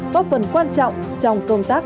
có phần quan trọng trong công tác